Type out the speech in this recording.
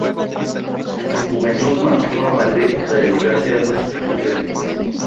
En su juventud, marchó a Madrid para dedicarse a las artes gráficas.